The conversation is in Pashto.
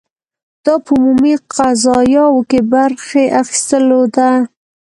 دا په عمومي قضایاوو کې برخې اخیستلو ده.